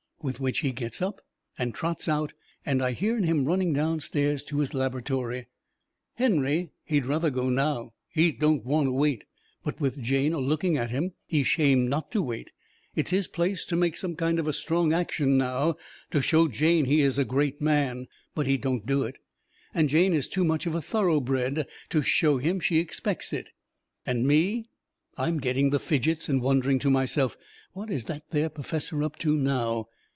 With which he gets up and trots out, and I hearn him running down stairs to his labertory. Henry, he'd ruther go now. He don't want to wait. But with Jane a looking at him he's shamed not to wait. It's his place to make some kind of a strong action now to show Jane he is a great man. But he don't do it. And Jane is too much of a thoroughbred to show him she expects it. And me, I'm getting the fidgets and wondering to myself, "What is that there perfessor up to now?